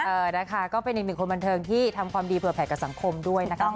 เออนะคะก็เป็นอีกหนึ่งคนบันเทิงที่ทำความดีเผื่อแผลกับสังคมด้วยนะคะ